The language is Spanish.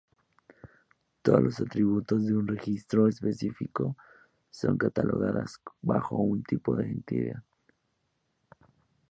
Todos los atributos de un registro específico son catalogados bajo un tipo de entidad.